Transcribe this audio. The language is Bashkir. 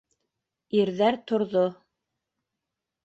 Ирҙәр торҙо.